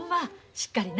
しっかりな。